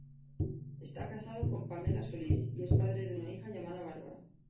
Esta casado con Pamela Solís y es padre de una hija llamada Bárbara.